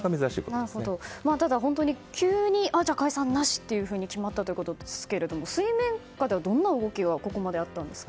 ただ、本当に急に解散なしと決まったということですが水面下ではどんな動きがここまで、あったんですか？